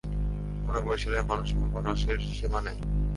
মোরা বরিশালের মানুষ মোগো রসের সীমা নাই।